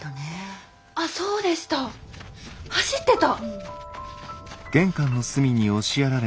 あっそうでした走ってた。